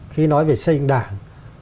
khi nói về sinh đảng